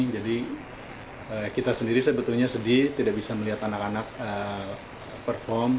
jadi kita sendiri sebetulnya sedih tidak bisa melihat anak anak perform